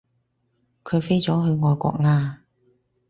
佢飛咗去外國喇